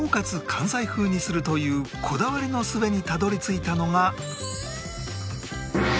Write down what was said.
関西風にするというこだわりの末にたどり着いたのが